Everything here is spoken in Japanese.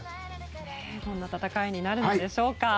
どんな戦いになるんでしょうか。